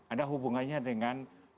ada hubungannya dengan